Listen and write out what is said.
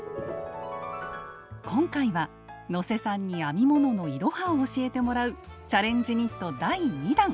今回は能勢さんに編み物の「いろは」を教えてもらうチャレンジニット第２弾！